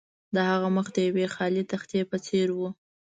د هغه مخ د یوې خالي تختې په څیر و